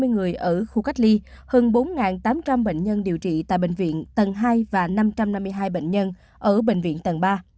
hai mươi người ở khu cách ly hơn bốn tám trăm linh bệnh nhân điều trị tại bệnh viện tầng hai và năm trăm năm mươi hai bệnh nhân ở bệnh viện tầng ba